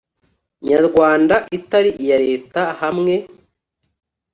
nyarwanda itari iya Leta hamwe